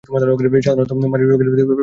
সাধারণত মারা-বাড়িতে হৈচৈ কান্নাকাটি হতে থাকে।